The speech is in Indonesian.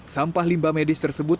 sampah limbah medis tersebut